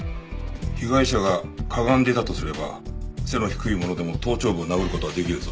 被害者がかがんでいたとすれば背の低い者でも頭頂部を殴る事は出来るぞ。